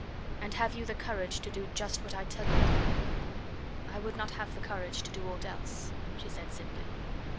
"And have you the courage to do just what I tell you, dear?" "I would not have courage to do aught else," she said simply.